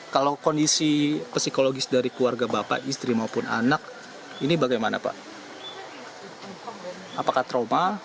kalau kondisi psikologis dari keluarga bapak istri maupun anak ini bagaimana pak apakah trauma